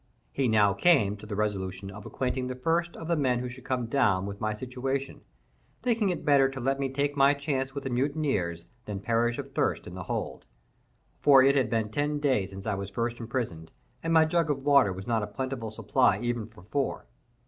He now came to the resolution of acquainting the first of the men who should come down with my situation, thinking it better to let me take my chance with the mutineers than perish of thirst in the hold,—for it had been ten days since I was first imprisoned, and my jug of water was not a plentiful supply even for four.